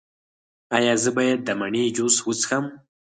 ایا زه باید د مڼې جوس وڅښم؟